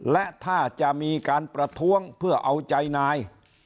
และถ้าจะมีการประท้วงเพื่อเอาใจนาย